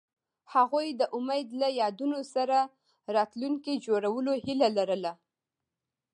هغوی د امید له یادونو سره راتلونکی جوړولو هیله لرله.